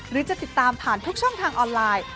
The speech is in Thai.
หรือจะติดตามผ่านทุกช่องทางออนไลน์